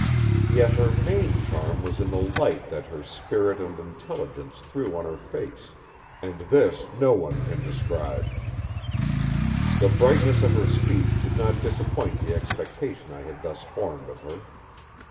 Yet her main charm was in the light that her spirit and intelligence threw on her face; and this no one can describe. The brightness of her speech did not disappoint the expectation I had thus formed of her.